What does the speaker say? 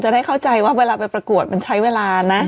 ได้เข้าใจว่าเวลาไปประกวดมันใช้เวลานะ